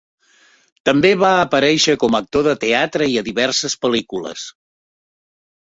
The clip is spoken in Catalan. També va aparèixer com a actor de teatre i a diverses pel·lícules.